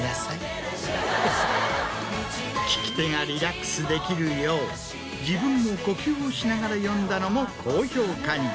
聴き手がリラックスできるよう自分も呼吸をしながら読んだのも好評価に。